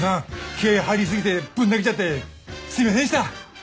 気合入りすぎてぶん投げちゃってすいませんでした。